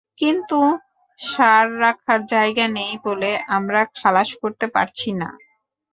কিন্তু সার রাখার জায়গা নেই বলে আমরা খালাস করতে পারছি না।